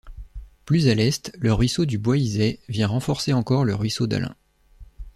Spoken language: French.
Plus à l'est, le ruisseau du Bois Isay vient renforcer encore le ruisseau d'Allin.